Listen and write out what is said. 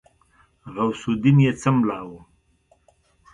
غوث الدين يې څملاوه.